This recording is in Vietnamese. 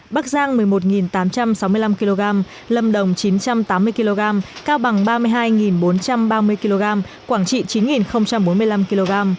bắc giang một mươi một tám trăm sáu mươi năm kg lâm đồng chín trăm tám mươi kg cao bằng ba mươi hai bốn trăm ba mươi kg quảng trị chín bốn mươi năm kg